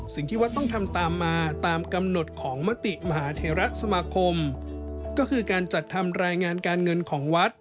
สิ่งที่วัดต้องทำตามมาตามกำหนดของมติมหาเทราสมาคมก็คือการจัดทำรายงานการเงินของวัด